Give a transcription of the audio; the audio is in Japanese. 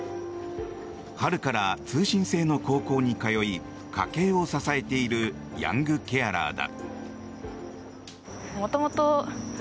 春から通信制の高校に通い家計を支えているヤングケアラーだ。